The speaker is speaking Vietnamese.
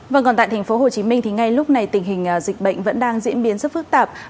vâng còn tại thành phố hồ chí minh thì ngay lúc này tình hình dịch bệnh vẫn đang diễn biến rất phức tạp